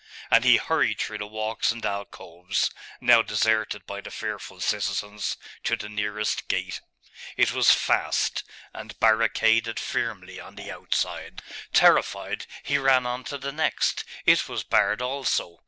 And he hurried through the walks and alcoves, now deserted by the fearful citizens, to the nearest gate. It was fast, and barricaded firmly on the outside. Terrified, he ran on to the next; it was barred also.